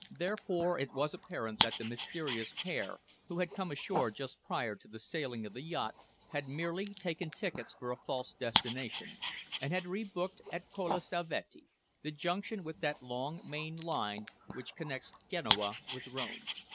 Therefore it was apparent that the mysterious pair who had come ashore just prior to the sailing of the yacht had merely taken tickets for a false destination, and had re booked at Colle Salvetti, the junction with that long main line which connects Genoa with Rome.